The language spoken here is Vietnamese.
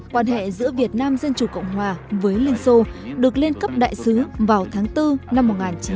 quan hệ giữa việt nam dân chủ cộng hòa với liên xô được liên cấp đại sứ vào tháng bốn năm một nghìn chín trăm năm mươi hai